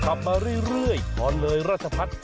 มาเรื่อยทอนเลยราชพัฒน์